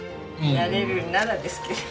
やれるんならですけど。